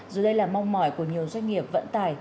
dù đây là mong mỏi của nhiều doanh nghiệp vận tải